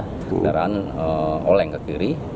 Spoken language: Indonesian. kendaraan oleng ke kiri